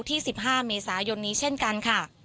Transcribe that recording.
ที่๑๕เมษายนนี้เช่นกันค่ะ